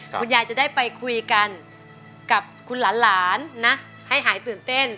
คุณยายจะได้ไปคุยกันกับคุณหลานนะให้หายตื่นเต้น